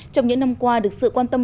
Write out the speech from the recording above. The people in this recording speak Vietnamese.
trong những năm qua được sự quan tâm